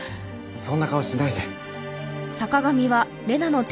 そんな顔しないで。